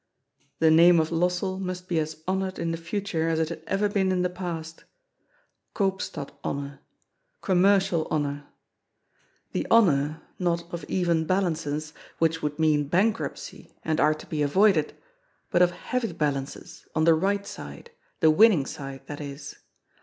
The name of Lossell must be as honoured in the future as it had ever been in the past. Koopstad honour. Com mercial honour. The honour, not of even balanceSj'Mrhich would mean bankruptcy and are to be avoided, but of heavy balances, on the right side, the winning side, that is.